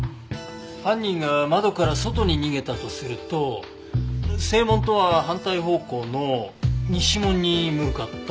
犯人が窓から外に逃げたとすると正門とは反対方向の西門に向かった？